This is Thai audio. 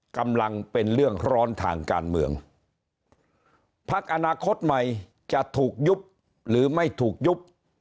กำลังเป็นเรื่องร้อนทางการเมืองพักอนาคตใหม่จะถูกยุบหรือไม่ถูกยุบ